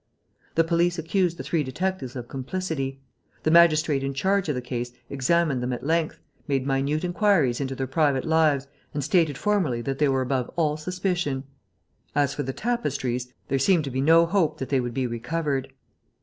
The police accused the three detectives of complicity. The magistrate in charge of the case examined them at length, made minute inquiries into their private lives and stated formally that they were above all suspicion. As for the tapestries, there seemed to be no hope that they would be recovered.